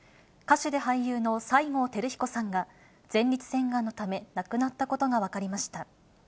歌手で俳優の西郷輝彦さんが前立腺がんのため、亡くなったことが分かりました。